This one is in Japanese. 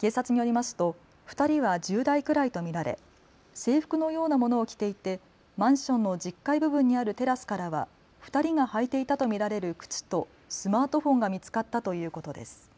警察によりますと２人は１０代くらいと見られ制服のようなものを着ていてマンションの１０階部分にあるテラスからは２人が履いていたと見られる靴とスマートフォンが見つかったということです。